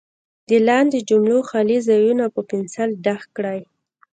د لاندې جملو خالي ځایونه په پنسل ډک کړئ.